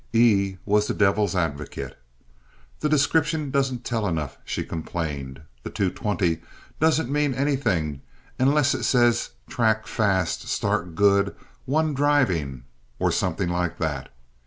E was the devil's advocate. "The description doesn't tell enough," she complained. "The 2:20 doesn't mean anything unless it says 'track fast, start good, won driving,' or something like that.